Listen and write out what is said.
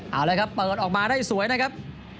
เอาเลยครับเปิดออกมาได้สวยนะครับ